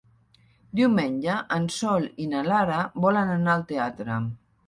Diumenge en Sol i na Lara volen anar al teatre.